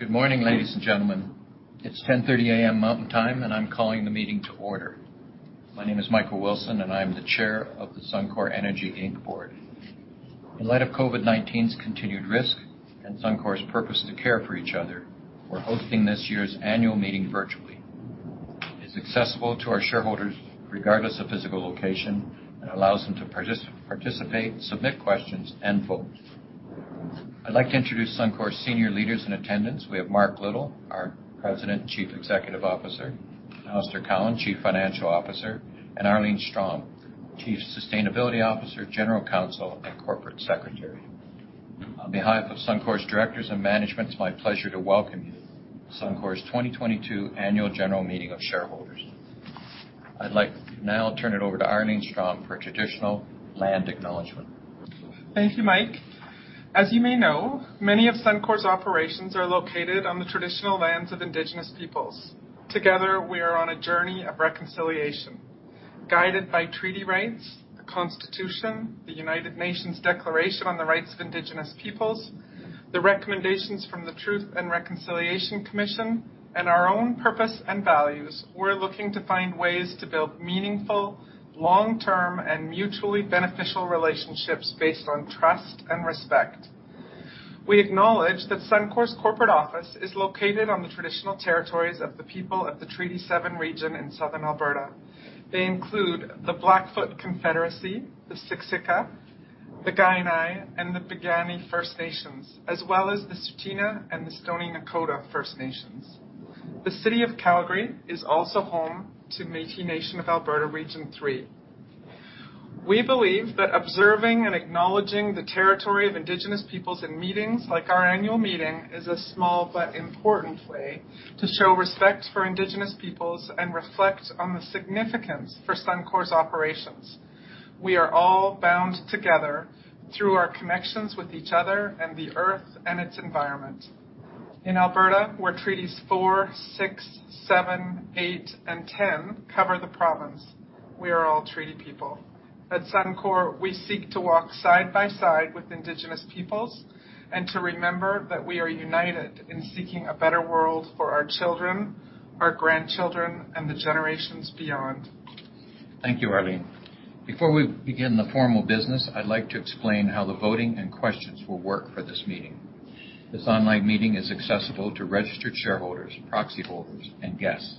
Good morning, ladies and gentlemen. It's 10:30 A.M. Mountain Time, and I'm calling the meeting to order. My name is Michael Wilson, and I am the Chair of the Suncor Energy Inc. Board. In light of COVID-19's continued risk and Suncor's purpose to care for each other, we're hosting this year's annual meeting virtually. It's accessible to our shareholders regardless of physical location and allows them to participate, submit questions, and vote. I'd like to introduce Suncor's senior leaders in attendance. We have Mark Little, our President Chief Executive Officer, Alister Cowan, Chief Financial Officer, and Arlene Strom, Chief Sustainability Officer, General Counsel, and Corporate Secretary. On behalf of Suncor's directors and management, it's my pleasure to welcome you to Suncor's 2022 Annual General Meeting of Shareholders. I'd like to now turn it over to Arlene Strom for a traditional land acknowledgement. Thank you, Mike. As you may know, many of Suncor's operations are located on the traditional lands of Indigenous peoples. Together, we are on a journey of reconciliation. Guided by treaty rights, the Constitution, the United Nations Declaration on the Rights of Indigenous Peoples, the recommendations from the Truth and Reconciliation Commission, and our own purpose and values, we're looking to find ways to build meaningful, long-term, and mutually beneficial relationships based on trust and respect. We acknowledge that Suncor's corporate office is located on the traditional territories of the people of the Treaty 7 region in southern Alberta. They include the Blackfoot Confederacy, the Siksika, the Kainai, and the Piikani First Nations, as well as the Tsuut'ina and the Stoney Nakoda First Nations. The City of Calgary is also home to Métis Nation of Alberta Region 3. We believe that observing and acknowledging the territory of Indigenous peoples in meetings like our annual meeting is a small but important way to show respect for Indigenous peoples and reflect on the significance for Suncor's operations. We are all bound together through our connections with each other and the Earth and its environment. In Alberta, where Treaties 4, 6, 7, 8, and 10 cover the province, we are all treaty people. At Suncor, we seek to walk side by side with Indigenous peoples and to remember that we are united in seeking a better world for our children, our grandchildren, and the generations beyond. Thank you, Arlene. Before we begin the formal business, I'd like to explain how the voting and questions will work for this meeting. This online meeting is accessible to registered shareholders, proxy holders, and guests.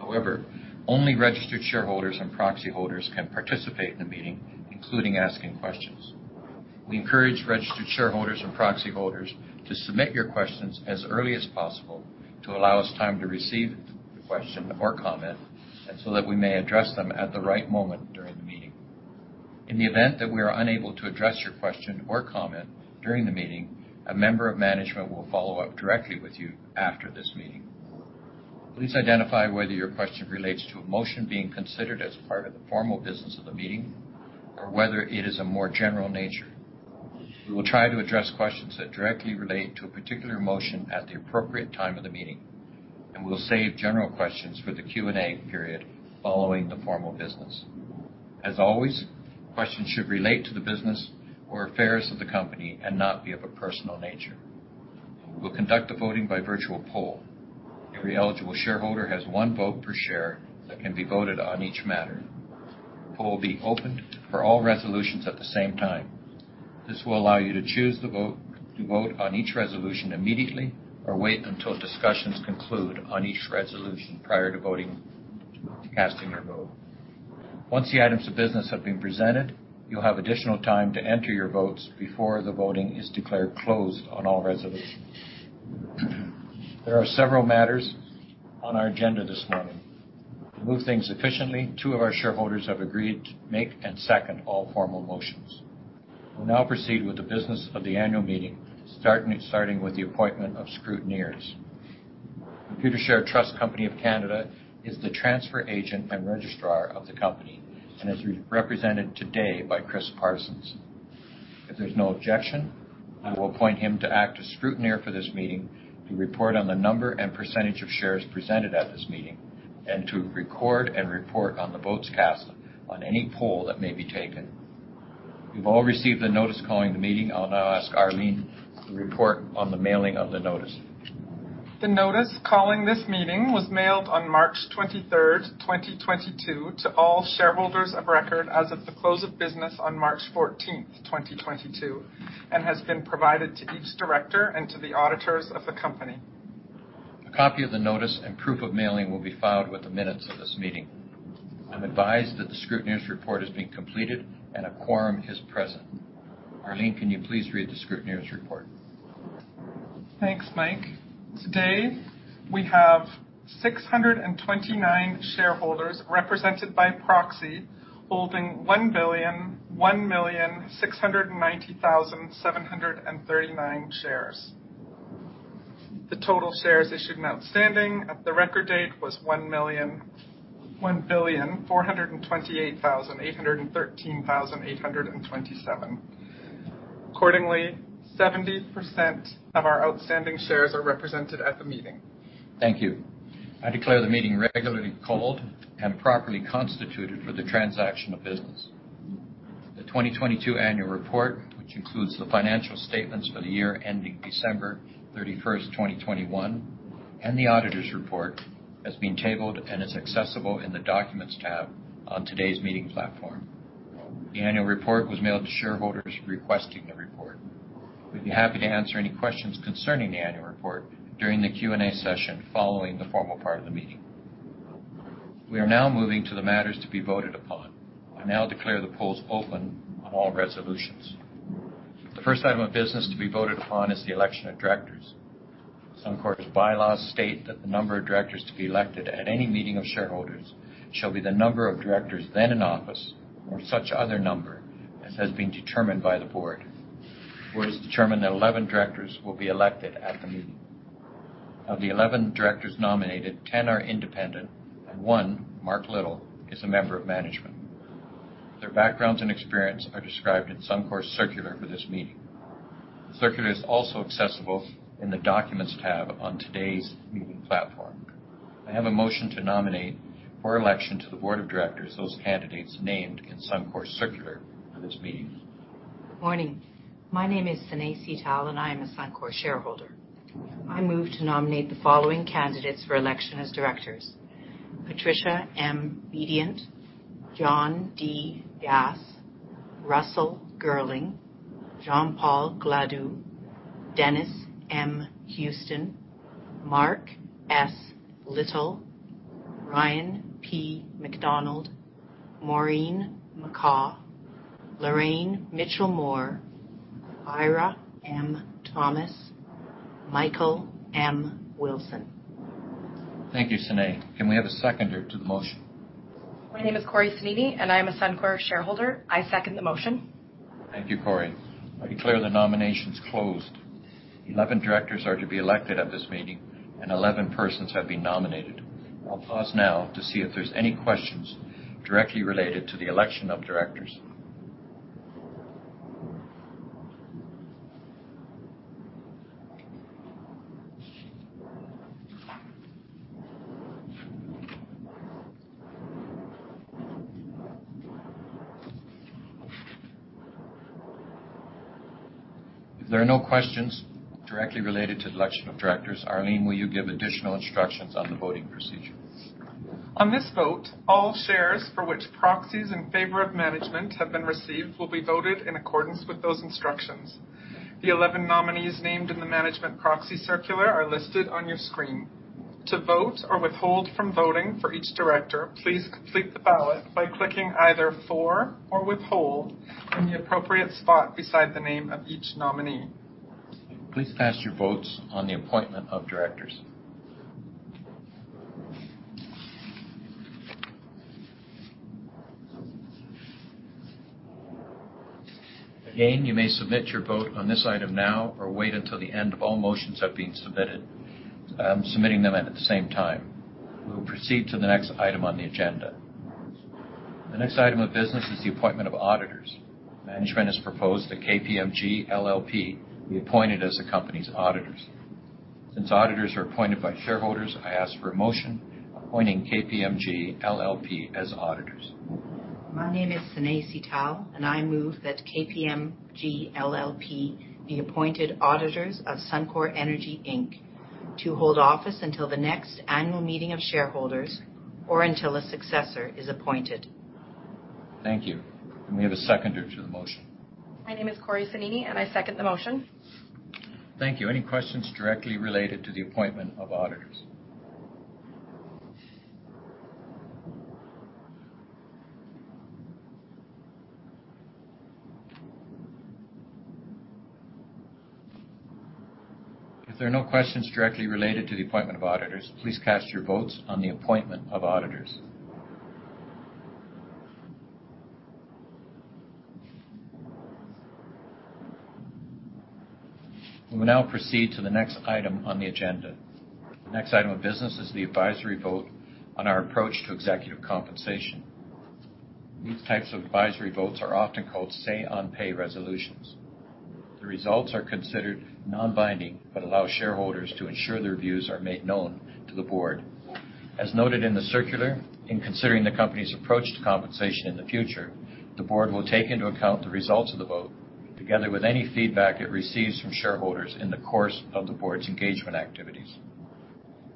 However, only registered shareholders and proxy holders can participate in the meeting, including asking questions. We encourage registered shareholders and proxy holders to submit your questions as early as possible to allow us time to receive the question or comment and so that we may address them at the right moment during the meeting. In the event that we are unable to address your question or comment during the meeting, a member of management will follow up directly with you after this meeting. Please identify whether your question relates to a motion being considered as part of the formal business of the meeting or whether it is of more general nature. We will try to address questions that directly relate to a particular motion at the appropriate time of the meeting, and we'll save general questions for the Q&A period following the formal business. As always, questions should relate to the business or affairs of the company and not be of a personal nature. We'll conduct the voting by virtual poll. Every eligible shareholder has one vote per share that can be voted on each matter. The poll will be opened for all resolutions at the same time. This will allow you to choose the vote, to vote on each resolution immediately or wait until discussions conclude on each resolution prior to casting your vote. Once the items of business have been presented, you'll have additional time to enter your votes before the voting is declared closed on all resolutions. There are several matters on our agenda this morning. To move things efficiently, two of our shareholders have agreed to make and second all formal motions. We'll now proceed with the business of the annual meeting, starting with the appointment of scrutineers. Computershare Trust Company of Canada is the transfer agent and registrar of the company and is represented today by Chris Parsons. If there's no objection, I will appoint him to act as scrutineer for this meeting to report on the number and percentage of shares presented at this meeting and to record and report on the votes cast on any poll that may be taken. You've all received the notice calling the meeting. I'll now ask Arlene to report on the mailing of the notice. The notice calling this meeting was mailed on March 23rd, 2022 to all shareholders of record as of the close of business on March 14th, 2022 and has been provided to each director and to the auditors of the company. A copy of the notice and proof of mailing will be filed with the minutes of this meeting. I'm advised that the scrutineer's report has been completed, and a quorum is present. Arlene, can you please read the scrutineer's report? Thanks, Mike. Today, we have 629 shareholders represented by proxy holding 1,001,690,739 shares. The total shares issued and outstanding at the record date was 1,428,813,827. Accordingly, 70% of our outstanding shares are represented at the meeting. Thank you. I declare the meeting regularly called and properly constituted for the transaction of business. The 2022 annual report, which includes the financial statements for the year ending December 31st, 2021, and the auditor's report has been tabled and is accessible in the Documents tab on today's meeting platform. The annual report was mailed to shareholders requesting the report. We'd be happy to answer any questions concerning the annual report during the Q&A session following the formal part of the meeting. We are now moving to the matters to be voted upon. I now declare the polls open on all resolutions. The first item of business to be voted upon is the election of directors. Suncor's bylaws state that the number of directors to be elected at any meeting of shareholders shall be the number of directors then in office or such other number as has been determined by the board. The board has determined that 11 directors will be elected at the meeting. Of the 11 directors nominated, 10 are independent and one, Mark Little, is a member of management. Their backgrounds and experience are described in Suncor's circular for this meeting. The circular is also accessible in the Documents tab on today's meeting platform. I have a motion to nominate for election to the board of directors those candidates named in Suncor's circular of this meeting. Good morning. My name is Sanae Seetal, and I am a Suncor shareholder. I move to nominate the following candidates for election as directors: Patricia M. Bedient, John D. Gass, Russell Girling, Jean-Paul Gladu, Dennis M. Houston, Mark S. Little, Ryan P. McDonald, Maureen McCaw, Lorraine Mitchelmore, Eira Thomas, Michael M. Wilson. Thank you, Sanae. Can we have a seconder to the motion? My name is Cori Senini, and I am a Suncor shareholder. I second the motion. Thank you, Cori. I declare the nominations closed. 11 directors are to be elected at this meeting, and 11 persons have been nominated. I'll pause now to see if there's any questions directly related to the election of directors. If there are no questions directly related to the election of directors, Arlene, will you give additional instructions on the voting procedure? On this vote, all shares for which proxies in favor of management have been received will be voted in accordance with those instructions. The 11 nominees named in the management proxy circular are listed on your screen. To vote or withhold from voting for each director, please complete the ballot by clicking either For or Withhold in the appropriate spot beside the name of each nominee. Please cast your votes on the appointment of directors. Again, you may submit your vote on this item now or wait until the end of all motions have been submitted, submitting them at the same time. We'll proceed to the next item on the agenda. The next item of business is the appointment of auditors. Management has proposed that KPMG LLP be appointed as the company's auditors. Since auditors are appointed by shareholders, I ask for a motion appointing KPMG LLP as auditors. My name is Sanae Seetal, and I move that KPMG LLP be appointed auditors of Suncor Energy Inc. to hold office until the next annual meeting of shareholders or until a successor is appointed. Thank you. Can we have a seconder to the motion? My name is Cori Senini, and I second the motion. Thank you. Any questions directly related to the appointment of auditors? If there are no questions directly related to the appointment of auditors, please cast your votes on the appointment of auditors. We will now proceed to the next item on the agenda. The next item of business is the advisory vote on our approach to executive compensation. These types of advisory votes are often called say-on-pay resolutions. The results are considered non-binding but allow shareholders to ensure their views are made known to the board. As noted in the circular, in considering the company's approach to compensation in the future, the board will take into account the results of the vote together with any feedback it receives from shareholders in the course of the board's engagement activities.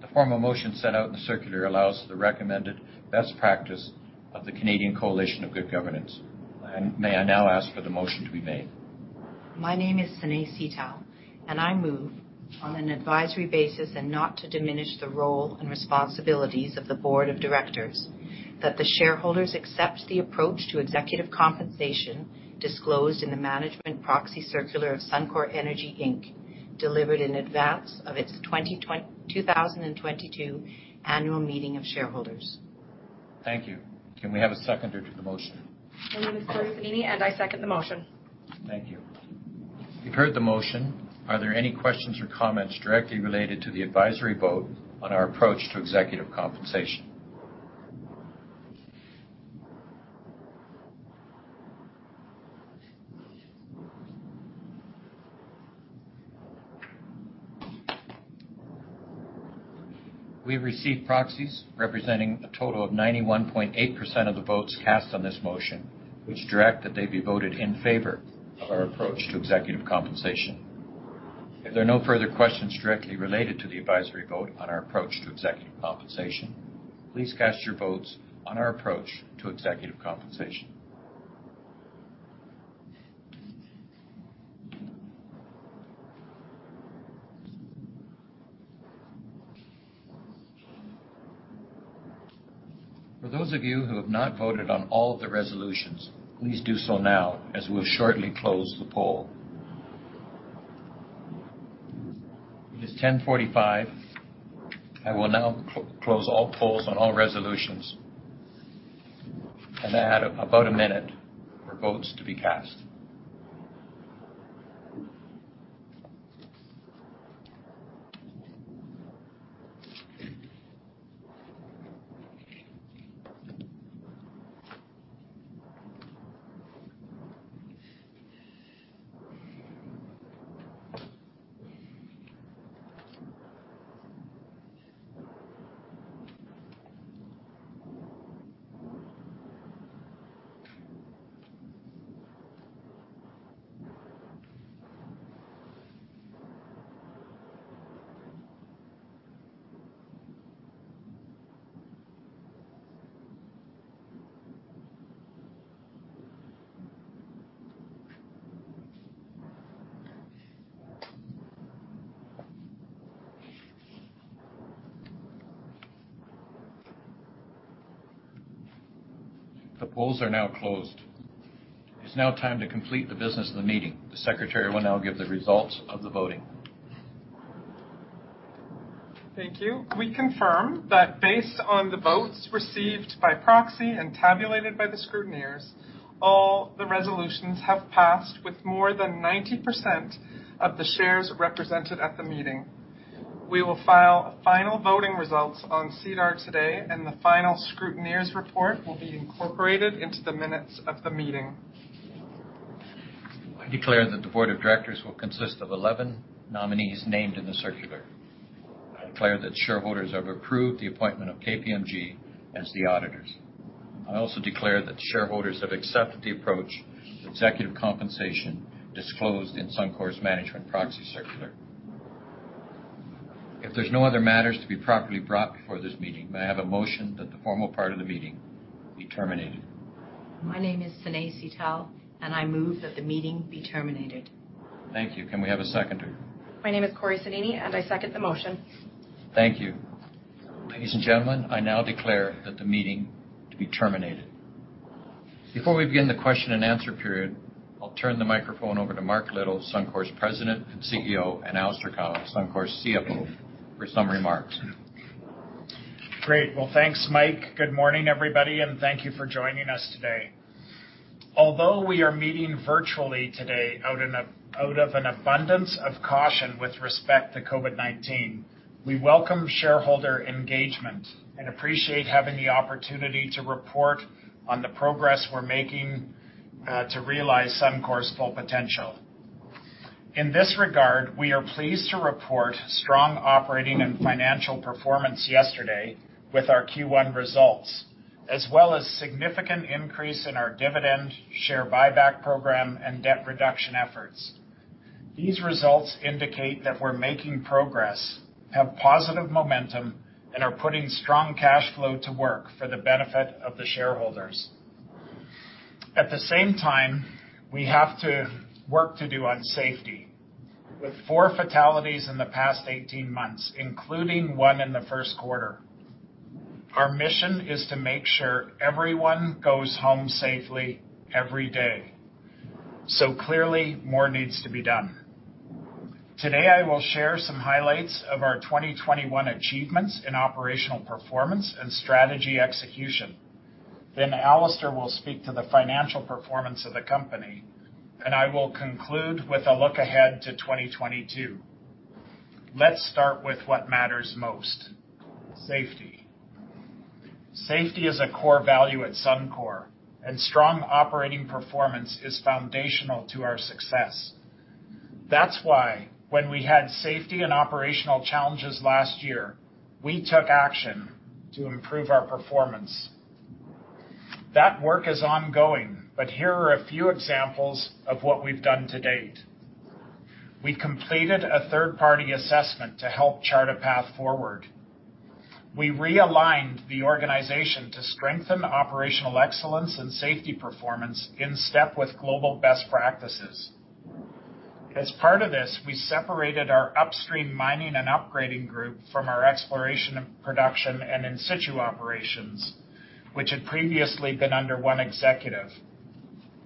The formal motion set out in the circular allows the recommended best practice of the Canadian Coalition for Good Governance. May I now ask for the motion to be made. My name is Sanae Seetal, and I move on an advisory basis and not to diminish the role and responsibilities of the board of directors that the shareholders accept the approach to executive compensation disclosed in the management proxy circular of Suncor Energy Inc., delivered in advance of its 2022 annual meeting of shareholders. Thank you. Can we have a seconder to the motion? My name is Cori Senini, and I second the motion. Thank you. You've heard the motion. Are there any questions or comments directly related to the advisory vote on our approach to executive compensation? We received proxies representing a total of 91.8% of the votes cast on this motion, which direct that they be voted in favor of our approach to executive compensation. If there are no further questions directly related to the advisory vote on our approach to executive compensation, please cast your votes on our approach to executive compensation. For those of you who have not voted on all of the resolutions, please do so now, as we'll shortly close the poll. It is 10:45 A.M. I will now close all polls on all resolutions, and I have about a minute for votes to be cast. The polls are now closed. It's now time to complete the business of the meeting. The secretary will now give the results of the voting. Thank you. We confirm that based on the votes received by proxy and tabulated by the scrutineers, all the resolutions have passed with more than 90% of the shares represented at the meeting. We will file final voting results on SEDAR today, and the final scrutineers report will be incorporated into the minutes of the meeting. I declare that the board of directors will consist of 11 nominees named in the circular. I declare that shareholders have approved the appointment of KPMG as the auditors. I also declare that shareholders have accepted the approach to executive compensation disclosed in Suncor's management proxy circular. If there's no other matters to be properly brought before this meeting, may I have a motion that the formal part of the meeting be terminated. My name is Sanae Seetal, and I move that the meeting be terminated. Thank you. Can we have a seconder? My name is Cori Senini, and I second the motion. Thank you. Ladies and gentlemen, I now declare that the meeting to be terminated. Before we begin the question and answer period, I'll turn the microphone over to Mark Little, Suncor's President and CEO, and Alister Cowan, Suncor's CFO, for some remarks. Great. Well, thanks, Mike. Good morning, everybody, and thank you for joining us today. Although we are meeting virtually today out of an abundance of caution with respect to COVID-19, we welcome shareholder engagement and appreciate having the opportunity to report on the progress we're making to realize Suncor's full potential. In this regard, we are pleased to report strong operating and financial performance yesterday with our Q1 results, as well as significant increase in our dividend share buyback program and debt reduction efforts. These results indicate that we're making progress, have positive momentum, and are putting strong cash flow to work for the benefit of the shareholders. At the same time, we have to work to do on safety. With four fatalities in the past 18 months, including one in the first quarter. Our mission is to make sure everyone goes home safely every day. Clearly, more needs to be done. Today, I will share some highlights of our 2021 achievements in operational performance and strategy execution. Then Alister will speak to the financial performance of the company, and I will conclude with a look ahead to 2022. Let's start with what matters most, safety. Safety is a core value at Suncor, and strong operating performance is foundational to our success. That's why when we had safety and operational challenges last year, we took action to improve our performance. That work is ongoing, but here are a few examples of what we've done to date. We completed a third-party assessment to help chart a path forward. We realigned the organization to strengthen operational excellence and safety performance in step with global best practices. As part of this, we separated our upstream mining and upgrading group from our exploration and production and in-situ operations, which had previously been under one executive.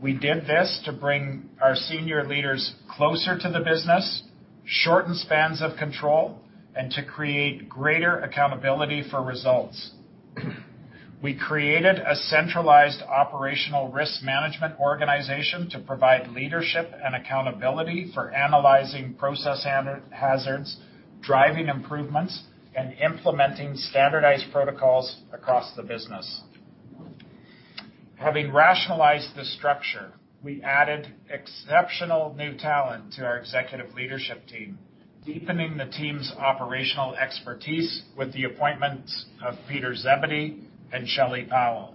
We did this to bring our senior leaders closer to the business, shorten spans of control, and to create greater accountability for results. We created a centralized operational risk management organization to provide leadership and accountability for analyzing process hazards, driving improvements, and implementing standardized protocols across the business. Having rationalized the structure, we added exceptional new talent to our executive leadership team, deepening the team's operational expertise with the appointments of Peter Zebedee and Shelley Powell.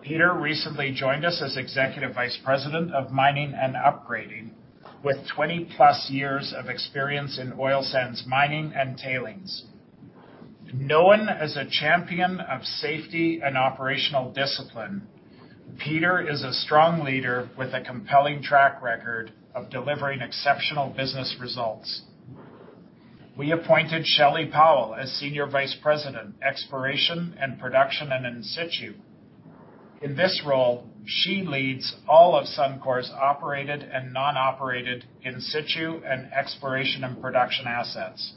Peter recently joined us as Executive Vice President of Mining and Upgrading with 20+ years of experience in oil sands mining and tailings. Known as a champion of safety and operational discipline, Peter is a strong leader with a compelling track record of delivering exceptional business results. We appointed Shelley Powell as Senior Vice President, Exploration and Production, and In-situ. In this role, she leads all of Suncor's operated and non-operated in-situ and exploration and production assets.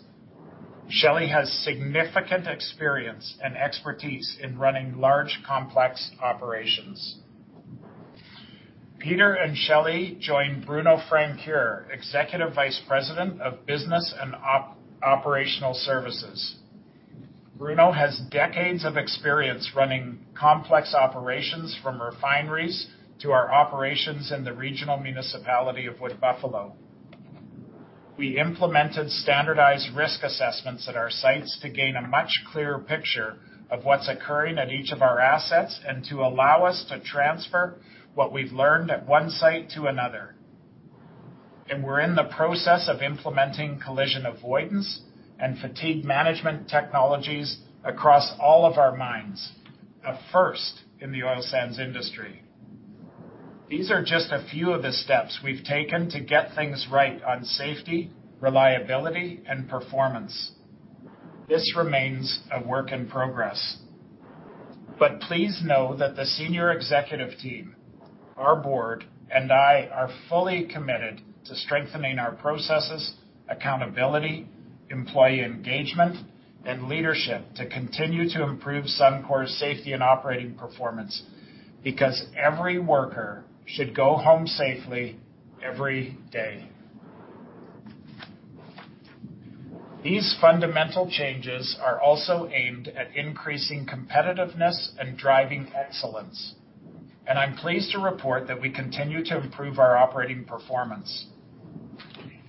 Shelley has significant experience and expertise in running large, complex operations. Peter and Shelley join Bruno Francoeur, Executive Vice President of Business and Operational Services. Bruno has decades of experience running complex operations from refineries to our operations in the Regional Municipality of Wood Buffalo. We implemented standardized risk assessments at our sites to gain a much clearer picture of what's occurring at each of our assets and to allow us to transfer what we've learned at one site to another. We're in the process of implementing collision avoidance and fatigue management technologies across all of our mines, a first in the oil sands industry. These are just a few of the steps we've taken to get things right on safety, reliability, and performance. This remains a work in progress. Please know that the senior executive team, our board, and I are fully committed to strengthening our processes, accountability, employee engagement, and leadership to continue to improve Suncor's safety and operating performance, because every worker should go home safely every day. These fundamental changes are also aimed at increasing competitiveness and driving excellence, and I'm pleased to report that we continue to improve our operating performance.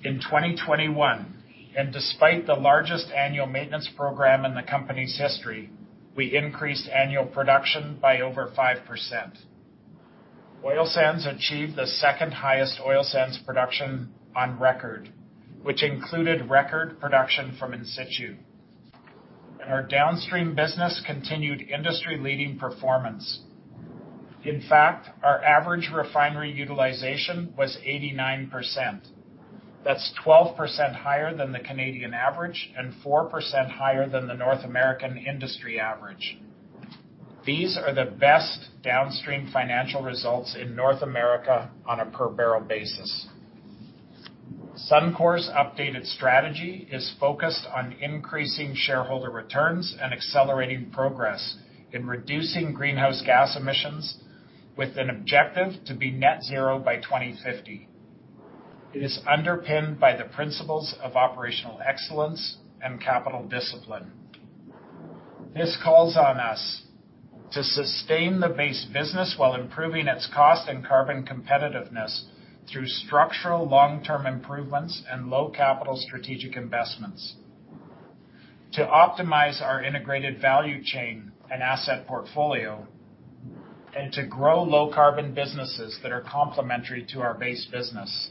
In 2021, and despite the largest annual maintenance program in the company's history, we increased annual production by over 5%. Oil sands achieved the second-highest oil sands production on record, which included record production from in-situ. Our downstream business continued industry-leading performance. In fact, our average refinery utilization was 89%. That's 12% higher than the Canadian average and 4% higher than the North American industry average. These are the best downstream financial results in North America on a per barrel basis. Suncor's updated strategy is focused on increasing shareholder returns and accelerating progress in reducing greenhouse gas emissions with an objective to be net zero by 2050. It is underpinned by the principles of operational excellence and capital discipline. This calls on us to sustain the base business while improving its cost and carbon competitiveness through structural long-term improvements and low capital strategic investments. To optimize our integrated value chain and asset portfolio and to grow low carbon businesses that are complementary to our base business.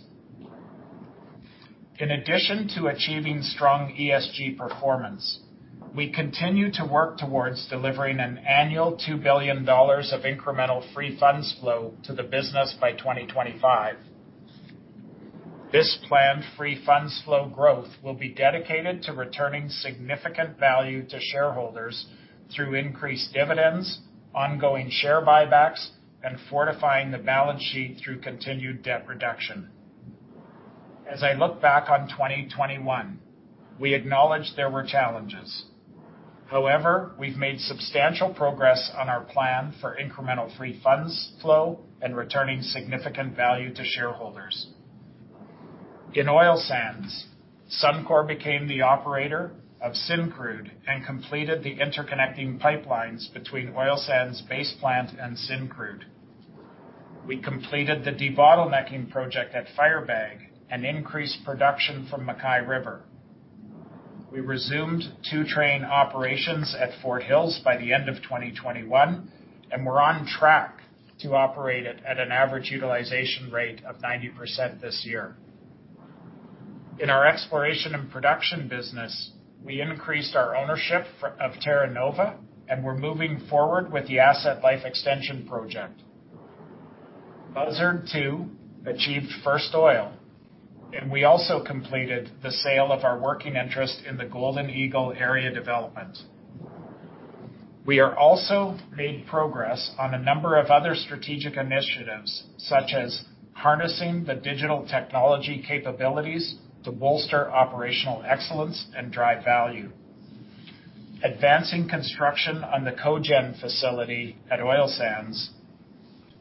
In addition to achieving strong ESG performance, we continue to work towards delivering an annual 2 billion dollars of incremental free funds flow to the business by 2025. This planned free funds flow growth will be dedicated to returning significant value to shareholders through increased dividends, ongoing share buybacks, and fortifying the balance sheet through continued debt reduction. As I look back on 2021, we acknowledge there were challenges. However, we've made substantial progress on our plan for incremental free funds flow and returning significant value to shareholders. In oil sands, Suncor became the operator of Syncrude and completed the interconnecting pipelines between oil sands base plant and Syncrude. We completed the debottlenecking project at Firebag and increased production from MacKay River. We resumed two train operations at Fort Hills by the end of 2021, and we're on track to operate it at an average utilization rate of 90% this year. In our exploration and production business, we increased our ownership of Terra Nova, and we're moving forward with the asset life extension project. Buzzard Two achieved first oil, and we also completed the sale of our working interest in the Golden Eagle Area Development. We also made progress on a number of other strategic initiatives, such as harnessing the digital technology capabilities to bolster operational excellence and drive value, advancing construction on the cogen facility at Oil Sands,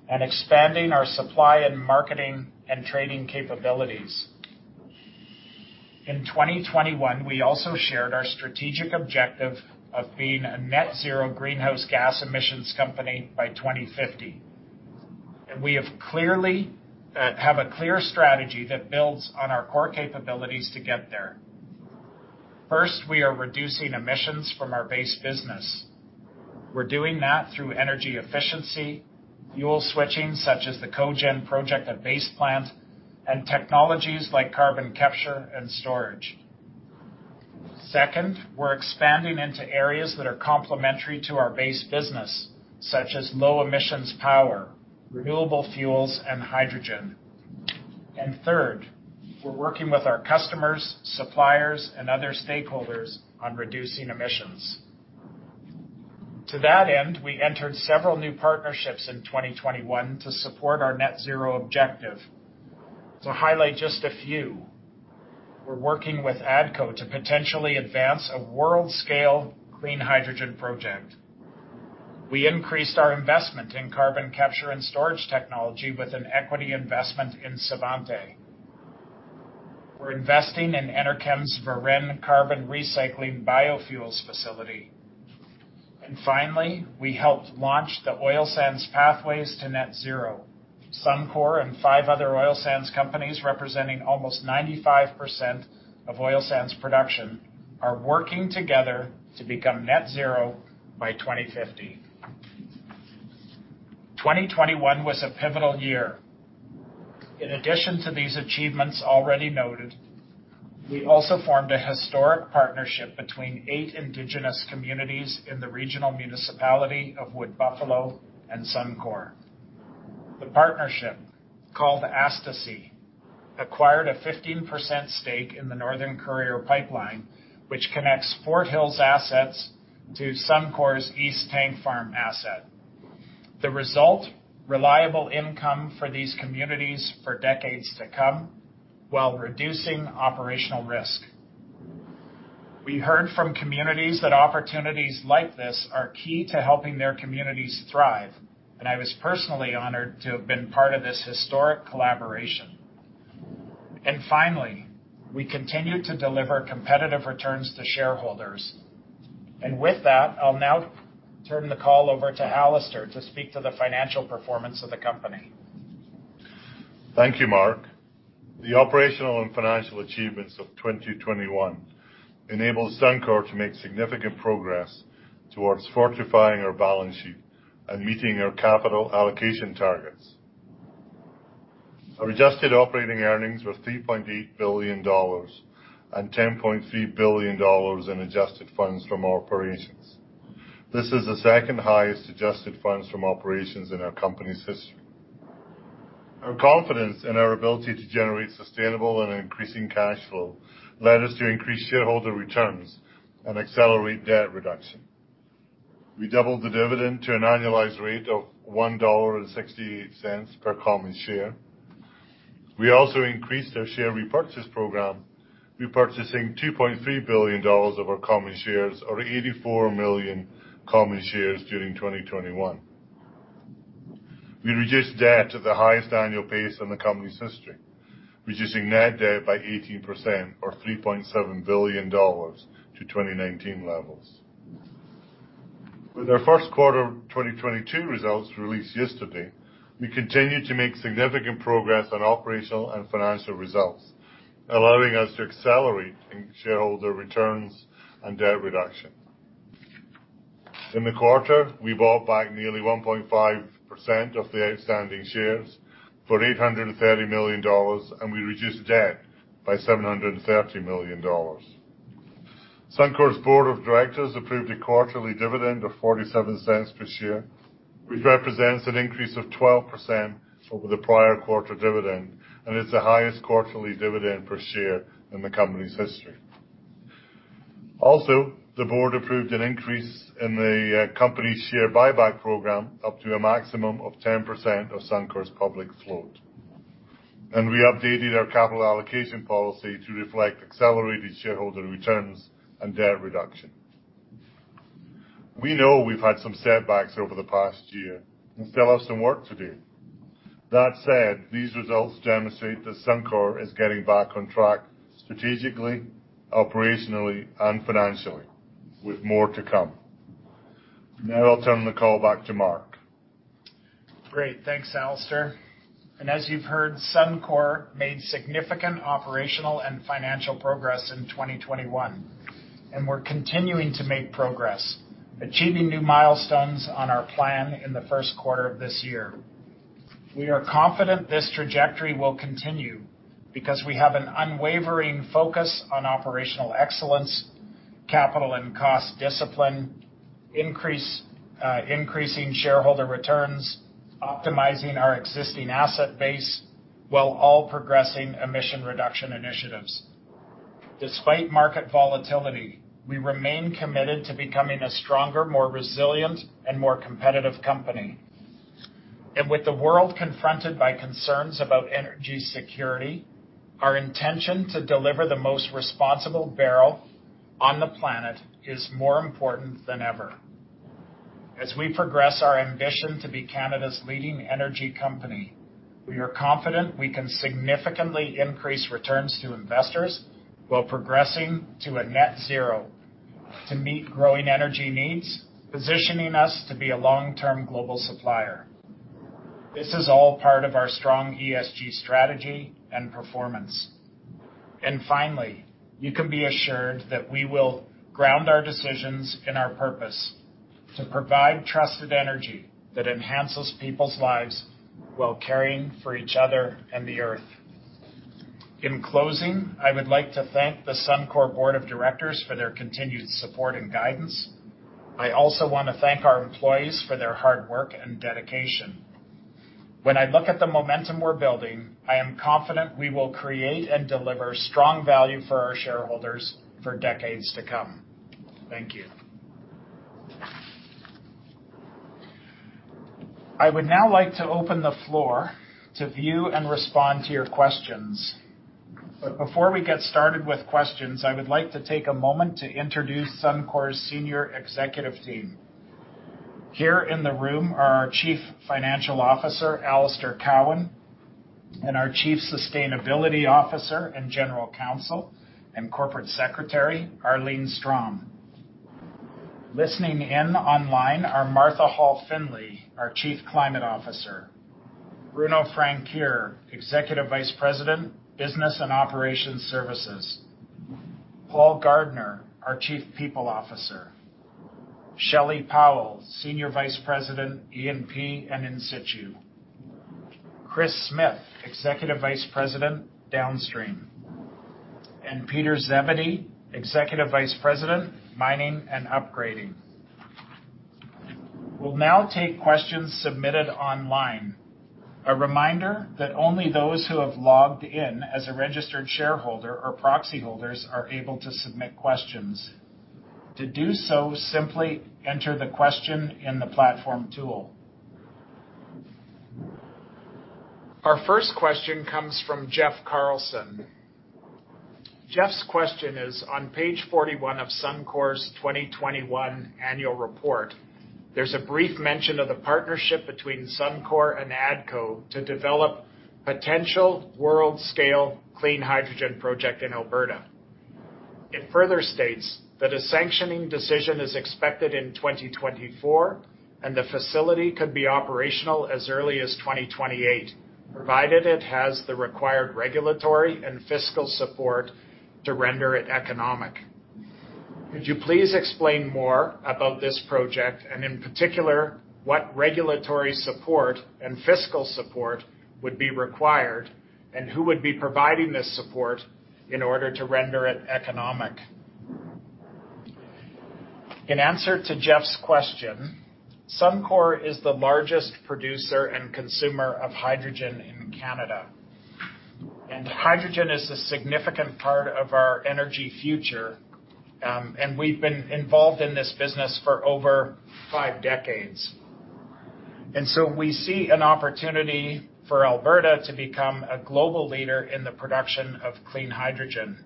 and expanding our supply and marketing and trading capabilities. In 2021, we also shared our strategic objective of being a net zero greenhouse gas emissions company by 2050. We have clearly have a clear strategy that builds on our core capabilities to get there. First, we are reducing emissions from our base business. We're doing that through energy efficiency, fuel switching, such as the cogen project at base plant, and technologies like carbon capture and storage. Second, we're expanding into areas that are complementary to our base business, such as low emissions power, renewable fuels, and hydrogen. Third, we're working with our customers, suppliers, and other stakeholders on reducing emissions. To that end, we entered several new partnerships in 2021 to support our net zero objective. To highlight just a few, we're working with ATCO to potentially advance a world-scale clean hydrogen project. We increased our investment in carbon capture and storage technology with an equity investment in Svante. We're investing in Enerkem's Varennes carbon recycling biofuels facility. Finally, we helped launch the Oil Sands Pathways to Net Zero. Suncor and five other oil sands companies representing almost 95% of oil sands production are working together to become net zero by 2050. 2021 was a pivotal year. In addition to these achievements already noted, we also formed a historic partnership between eight Indigenous communities in the Regional Municipality of Wood Buffalo and Suncor. The partnership, called Astisiy, acquired a 15% stake in the Northern Courier Pipeline, which connects Fort Hills assets to Suncor's East Tank Farm asset. The result, reliable income for these communities for decades to come while reducing operational risk. We heard from communities that opportunities like this are key to helping their communities thrive, and I was personally honored to have been part of this historic collaboration. Finally, we continue to deliver competitive returns to shareholders. With that, I'll now turn the call over to Alister to speak to the financial performance of the company. Thank you, Mark. The operational and financial achievements of 2021 enable Suncor to make significant progress towards fortifying our balance sheet and meeting our capital allocation targets. Our adjusted operating earnings were 3.8 billion dollars on 10.3 billion dollars in adjusted funds from our operations. This is the second-highest adjusted funds from operations in our company's history. Our confidence in our ability to generate sustainable and increasing cash flow led us to increase shareholder returns and accelerate debt reduction. We doubled the dividend to an annualized rate of 1.68 dollar per common share. We also increased our share repurchase program, repurchasing 2.3 billion dollars of our common shares or 84 million common shares during 2021. We reduced debt at the highest annual pace in the company's history, reducing net debt by 18% or 3.7 billion dollars to 2019 levels. With our first quarter 2022 results released yesterday, we continue to make significant progress on operational and financial results, allowing us to accelerate shareholder returns and debt reduction. In the quarter, we bought back nearly 1.5% of the outstanding shares for 830 million dollars, and we reduced debt by 730 million dollars. Suncor's board of directors approved a quarterly dividend of 0.47 per share, which represents an increase of 12% over the prior quarter dividend, and it's the highest quarterly dividend per share in the company's history. Also, the board approved an increase in the company share buyback program up to a maximum of 10% of Suncor's public float. We updated our capital allocation policy to reflect accelerated shareholder returns and debt reduction. We know we've had some setbacks over the past year and still have some work to do. That said, these results demonstrate that Suncor is getting back on track strategically, operationally and financially, with more to come. Now I'll turn the call back to Mark. Great. Thanks, Alister. As you've heard, Suncor made significant operational and financial progress in 2021, and we're continuing to make progress, achieving new milestones on our plan in the first quarter of this year. We are confident this trajectory will continue because we have an unwavering focus on operational excellence, capital and cost discipline, increasing shareholder returns, optimizing our existing asset base while also progressing emission reduction initiatives. Despite market volatility, we remain committed to becoming a stronger, more resilient, and more competitive company. With the world confronted by concerns about energy security, our intention to deliver the most responsible barrel on the planet is more important than ever. As we progress our ambition to be Canada's leading energy company, we are confident we can significantly increase returns to investors while progressing to a net zero to meet growing energy needs, positioning us to be a long-term global supplier. This is all part of our strong ESG strategy and performance. Finally, you can be assured that we will ground our decisions and our purpose to provide trusted energy that enhances people's lives while caring for each other and the earth. In closing, I would like to thank the Suncor Board of Directors for their continued support and guidance. I also wanna thank our employees for their hard work and dedication. When I look at the momentum we're building, I am confident we will create and deliver strong value for our shareholders for decades to come. Thank you. I would now like to open the floor to view and respond to your questions. Before we get started with questions, I would like to take a moment to introduce Suncor's senior executive team. Here in the room are our Chief Financial Officer, Alister Cowan, and our Chief Sustainability Officer and General Counsel and Corporate Secretary, Arlene Strom. Listening in online are Martha Hall Findlay, our Chief Climate Officer. Bruno Francoeur, Executive Vice President, Business and Operational Services. Paul Gardner, our Chief People Officer. Shelley Powell, Senior Vice President, E&P and In-situ. Kris Smith, Executive Vice President, Downstream. And Peter Zebedee, Executive Vice President, Mining and Upgrading. We'll now take questions submitted online. A reminder that only those who have logged in as a registered shareholder or proxy holders are able to submit questions. To do so, simply enter the question in the platform tool. Our first question comes from Jeff Carlson. Jeff's question is, on Page 41 of Suncor's 2021 annual report, there's a brief mention of the partnership between Suncor and ATCO to develop potential world-scale clean hydrogen project in Alberta. It further states that a sanctioning decision is expected in 2024, and the facility could be operational as early as 2028, provided it has the required regulatory and fiscal support to render it economic. Could you please explain more about this project, and in particular, what regulatory support and fiscal support would be required, and who would be providing this support in order to render it economic? In answer to Jeff's question, Suncor is the largest producer and consumer of hydrogen in Canada, and hydrogen is a significant part of our energy future. We've been involved in this business for over five decades. We see an opportunity for Alberta to become a global leader in the production of clean hydrogen.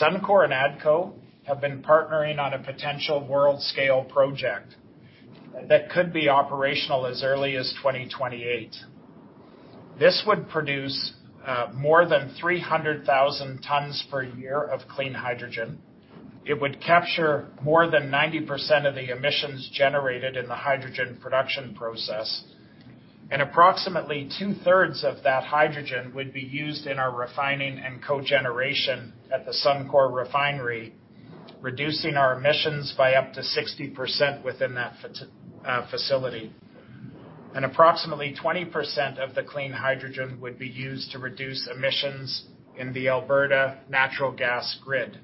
Suncor and ATCO have been partnering on a potential world-scale project that could be operational as early as 2028. This would produce more than 300,000 tons per year of clean hydrogen. It would capture more than 90% of the emissions generated in the hydrogen production process, and approximately two-thirds of that hydrogen would be used in our refining and cogeneration at the Suncor refinery, reducing our emissions by up to 60% within that facility. Approximately 20% of the clean hydrogen would be used to reduce emissions in the Alberta natural gas grid.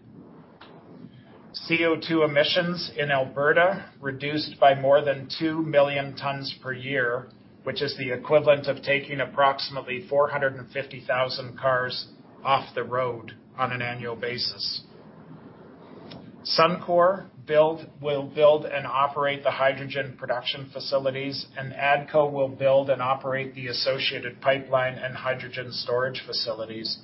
CO2 emissions in Alberta reduced by more than 2 million tons per year, which is the equivalent of taking approximately 450,000 cars off the road on an annual basis. Suncor will build and operate the hydrogen production facilities, and ATCO will build and operate the associated pipeline and hydrogen storage facilities.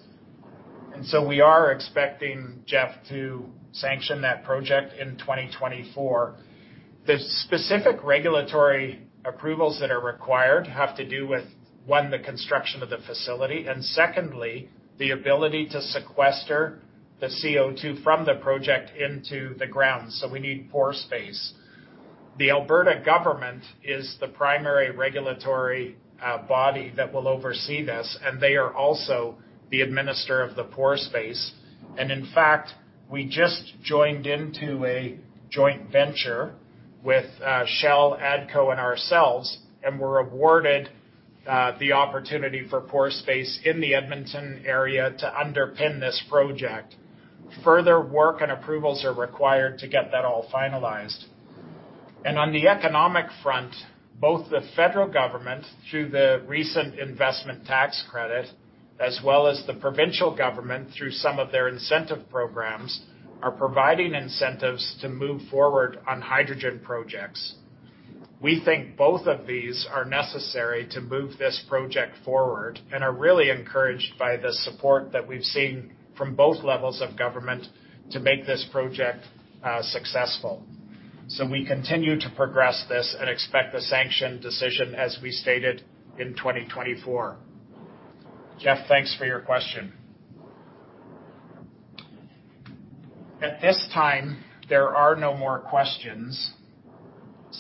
We are expecting, Jeff, to sanction that project in 2024. The specific regulatory approvals that are required have to do with, one, the construction of the facility, and secondly, the ability to sequester the CO2 from the project into the ground, so we need pore space. The Alberta government is the primary regulatory body that will oversee this, and they are also the administrator of the pore space. In fact, we just joined into a joint venture with, Shell, ATCO, and ourselves, and were awarded, the opportunity for pore space in the Edmonton area to underpin this project. Further work and approvals are required to get that all finalized. On the economic front, both the federal government, through the recent investment tax credit, as well as the provincial government, through some of their incentive programs, are providing incentives to move forward on hydrogen projects. We think both of these are necessary to move this project forward and are really encouraged by the support that we've seen from both levels of government to make this project, successful. We continue to progress this and expect the sanction decision as we stated in 2024. Jeff, thanks for your question. At this time, there are no more questions.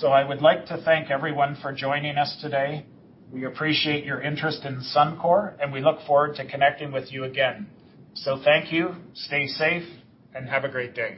I would like to thank everyone for joining us today. We appreciate your interest in Suncor, and we look forward to connecting with you again. Thank you, stay safe, and have a great day.